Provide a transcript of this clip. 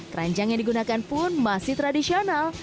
keranjang yang digunakan pun masih tradisional